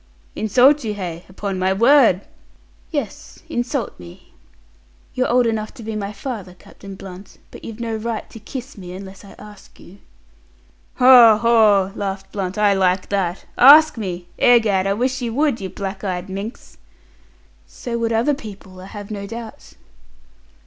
"Insult you, hey! Upon my word!" "Yes, insult me. You're old enough to be my father, Captain Blunt, but you've no right to kiss me, unless I ask you." "Haw, haw!" laughed Blunt. "I like that. Ask me! Egad, I wish you would, you black eyed minx!" "So would other people, I have no doubt."